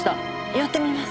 やってみます。